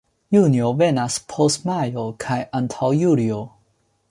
Junio venas post majo kaj antaŭ julio.